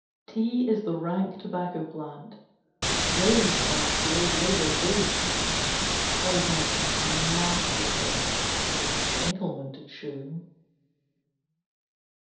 T T is the rank Tobacco plant, Raised by slave labor too: A poisonous and nasty thing, For gentlemen to chew.